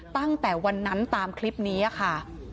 ตั้งแต่วันนั้นตามคลิปนี้ค่ะ